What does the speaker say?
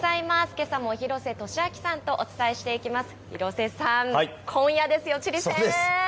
けさも廣瀬俊朗さんとお伝えしていきます。